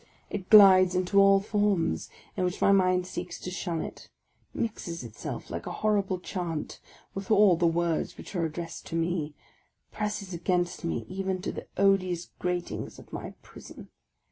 It 39 40 THE LAST DAY glides into all forms in which my mind seeks to shun it ; mixes itself, like a horrible chant, with all the words which are addressed to me ; presses against me even to the odious grat ings of my prison.